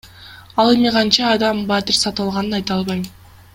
Ал эми канча адам батир сатып алганын айта албайм.